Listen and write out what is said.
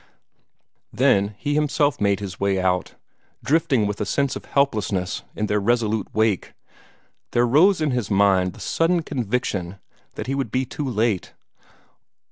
Then he himself made his way out, drifting with a sense of helplessness in their resolute wake. There rose in his mind the sudden conviction that he would be too late.